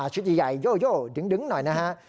ชุดใหญ่โย่ดึงหน่อยนะฮะ